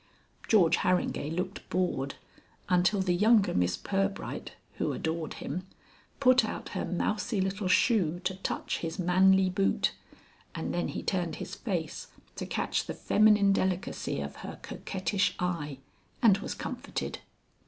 George Harringay looked bored, until the younger Miss Pirbright, who adored him, put out her mousy little shoe to touch his manly boot, and then he turned his face to catch the feminine delicacy of her coquettish eye, and was comforted.